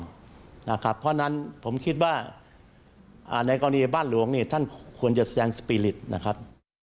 เพราะฉะนั้นผมคิดว่าในกรณีบ้านหลวงเนี่ยท่านควรจะแสดงสปีริตนะครับ